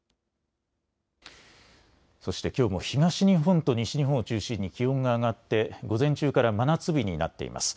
そしてきょうも東日本と西日本を中心に気温が上がって午前中から真夏日になっています。